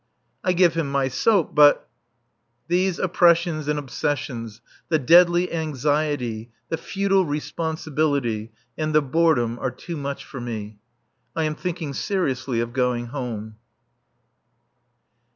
I give him my soap, but These oppressions and obsessions, the deadly anxiety, the futile responsibility and the boredom are too much for me. I am thinking seriously of going home.